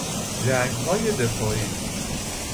جنگهای دفاعی